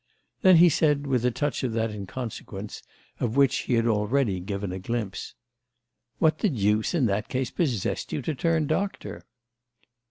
Then he said with a touch of that inconsequence of which he had already given a glimpse: "What the deuce in that case possessed you to turn doctor?"